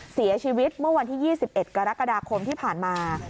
เสียชีวิตเมื่อวันที่๒๑กรกฎาคมที่ผ่านมา